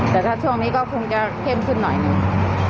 แต่ถ้าช่วงนี้ก็คงจะเข้มขึ้นหน่อยหนึ่ง